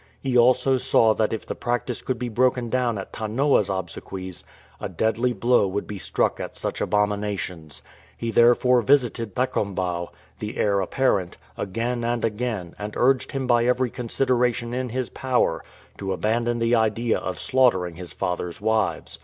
He also saw that if the practice could be broken down at Tanoa''s obsequies, a deadly blow would be struck at such abominations. He therefore visited Thakombau, the heir apparent, again and again, and urged him by every consideration in his power to abandon the idea of slaughtering his father's wives.